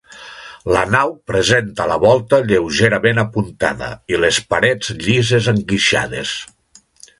La nau presenta la volta lleugerament apuntada i les parets llises enguixades.